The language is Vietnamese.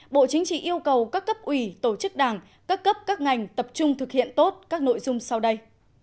bộ chính trị yêu cầu các cấp ủy tổ chức đảng các cấp các ngành tập trung thực hiện tốt các nội dung sau đây